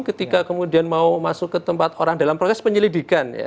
ketika kemudian mau masuk ke tempat orang dalam proses penyelidikan